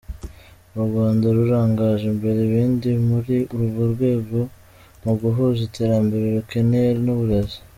U Rwanda rurangaje imbere ibindi muri urwo rwego mu guhuza iterambere rukeneye n’uburezi.